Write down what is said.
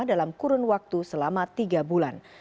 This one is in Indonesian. dalam kurun waktu selama tiga bulan